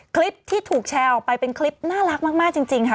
คลิปที่ถูกแชร์ออกไปเป็นคลิปน่ารักมากจริงค่ะ